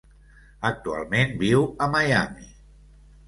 Actualment viu a Miami.